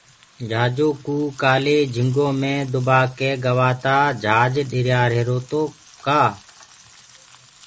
جھاجو ڪوُ ڪآلي جھنگو مينٚ دُبآ ڪيِ گوآ تآ ڪآ جھاج ڏِريآريهِرو تو